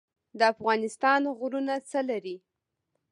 د افغانستان غرونه څه لري؟